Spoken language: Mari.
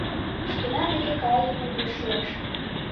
Шкенан деке кайыме пеш шуэш.